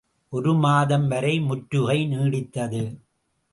ஒரு மாதம் வரை முற்றுகை நீடித்தது.